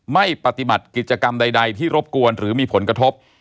ไม่ปฏิบัติกิจกรรมใดที่รบกวนหรือมีผลกระทบ